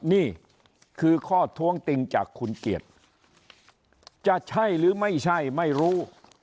นี่คือข้อท้วงติงจากคุณเกียรติจะใช่หรือไม่ใช่ไม่รู้